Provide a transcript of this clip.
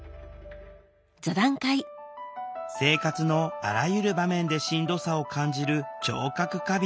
生活のあらゆる場面でしんどさを感じる聴覚過敏。